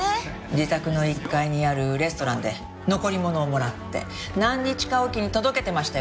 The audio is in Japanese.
自宅の１階にあるレストランで残り物をもらって何日かおきに届けてましたよね。